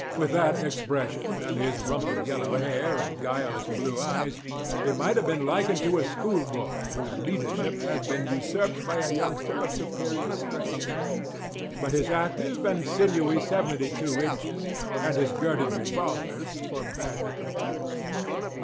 With that expression, and his rumpled yellow hair and guileless blue eyes, he might have been likened to a schoolboy whose leadership had been usurped by a youngster of superior strength. But his active and sinewy seventy two inches, and his girded revolvers forbade the comparison.